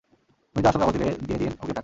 মির্জা আসল কাগজ দিলে, দিয়ে দিয়েন অগ্রিম টাকা।